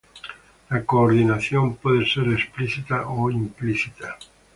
La coordinación puede ser explícita o implícita.